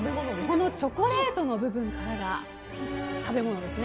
このチョコレートの部分からが食べ物です。